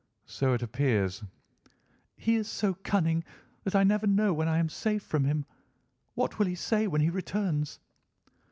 "So it appears." "He is so cunning that I never know when I am safe from him. What will he say when he returns?"